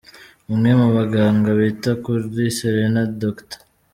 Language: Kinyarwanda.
Umwe mu baganga bita kuri Selena, Dr.